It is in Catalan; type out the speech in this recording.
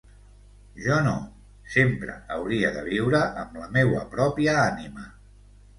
Jo no, sempre hauria de viure amb la meua pròpia ànima.